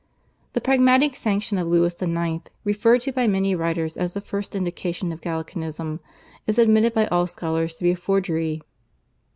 The Pragmatic Sanction of Louis IX., referred to by many writers as the first indication of Gallicanism, is admitted by all scholars to be a forgery.